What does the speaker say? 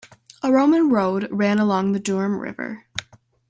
A Roman road ran along the Durme river.